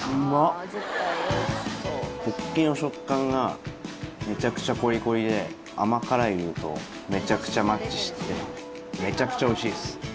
ホッキの食感がめちゃくちゃコリコリで甘辛いルーとめちゃくちゃマッチしててめちゃくちゃ美味しいです。